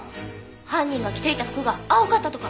犯人が着ていた服が青かったとか。